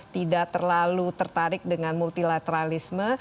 tidak terlalu tertarik dengan multilateralisme